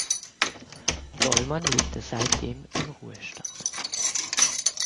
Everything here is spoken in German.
Dollmann lebte seitdem im Ruhestand.